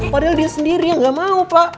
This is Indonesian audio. padahal dia sendiri yang nggak mau pak